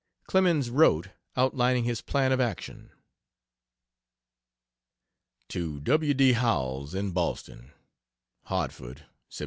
Clemens wrote, outlining his plan of action. To W. D. Howells, in Boston: HARTFORD, Sept.